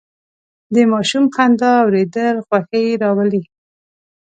د ماشوم خندا اورېدل خوښي راولي.